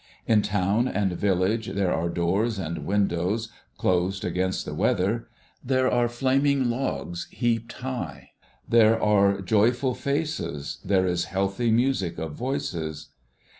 In town and village, there are doors and windows closed against the weather, there are flaming logs heaped high, there are joyful faces, there is healthy music of voices.